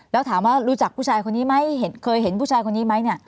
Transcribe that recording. แล้วถามว่ารู้จักผู้ชายคนนี้ไหมเคยเห็นผู้ชายคนนี้ไหมเนี่ย